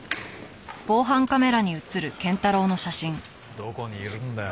どこにいるんだよ